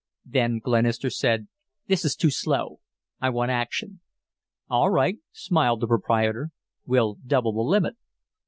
Then Glenister said, "This is too slow. I want action." "All right," smiled the proprietor. "We'll double the limit."